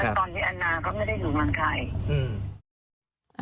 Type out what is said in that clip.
แต่ตอนนี้อันนาก็ไม่ได้ถือวันไทย